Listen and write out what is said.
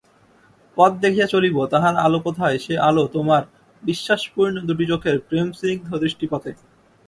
পথ দেখিয়া চলিব, তাহার আলো কোথায়–সে আলো তোমার বিশ্বাসপূর্ণ দুটি চোখের প্রেমস্নিগ্ধ দৃষ্টিপাতে।